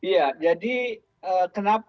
ya jadi kenapa